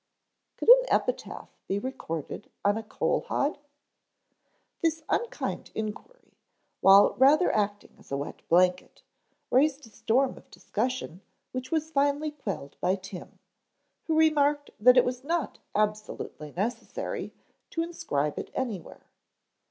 Could an epitaph be recorded on a coal hod? This unkind inquiry, while rather acting as a wet blanket, raised a storm of discussion which was finally quelled by Tim, who remarked that it was not absolutely necessary to inscribe it anywhere.